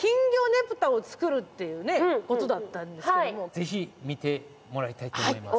ぜひ見てもらいたいと思います。